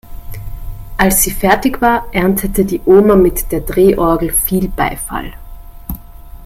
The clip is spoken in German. Als sie fertig war, erntete die Oma mit der Drehorgel viel Beifall.